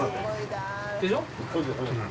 でしょ？